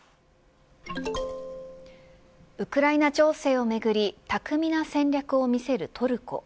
ウクライナ情勢をめぐり巧みな戦略を見せるトルコ。